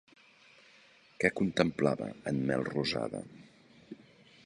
Què contemplava en Melrosada?